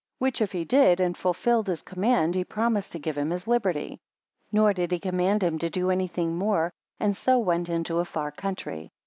Which if he did, and fulfilled his command, he promised to give him his liberty. Nor did he command him to do any thing more; and so went into a far country.